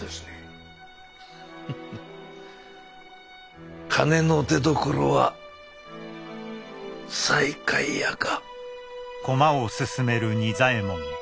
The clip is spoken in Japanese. フッフフ金の出どころは西海屋か。